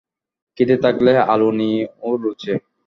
খিদে থাকলে আলুনিও রোচে।